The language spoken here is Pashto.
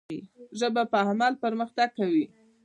ژبه په عمل پرمختګ کوي.